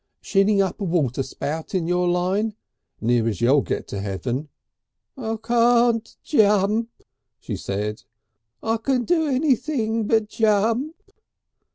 "Shinning up a water spout in your line? Near as you'll get to Heaven." "I can't jump," she said. "I can do anything but jump."